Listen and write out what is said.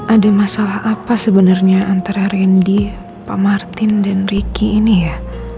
ada masalah apa sebenarnya antara randy pak martin dan ricky ini ya